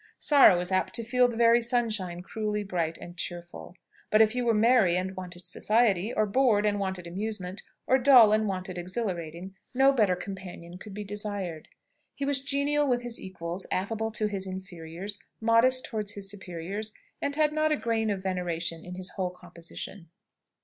Sorrow is apt to feel the very sunshine cruelly bright and cheerful. But if you were merry and wanted society: or bored, and wanted amusement: or dull and wanted exhilarating, no better companion could be desired. He was genial with his equals, affable to his inferiors, modest towards his superiors and had not a grain of veneration in his whole composition.